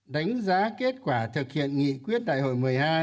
đánh giá kết quả thực hiện nghị quyết đại hội một mươi hai